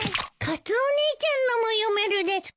カツオ兄ちゃんのも読めるですか？